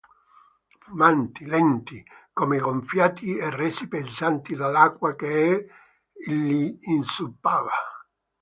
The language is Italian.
Fumanti, lenti, come gonfiati e resi pesanti dall'acqua che li inzuppava.